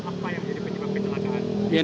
apa yang menjadi penyebab